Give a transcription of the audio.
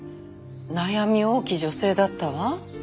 悩み多き女性だったわ。